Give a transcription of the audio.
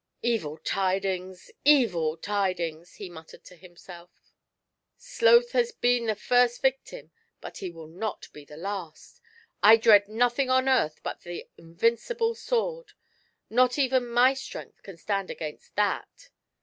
" Evil tidings, evil tidings !" he muttered to himself; GIANT SELFISHNESS. 41 " Sloth has been the first victim, but he will not be the last. I dread nothing on earth but the invincible sword ; not even my strength can stand against that